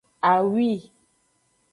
Awi.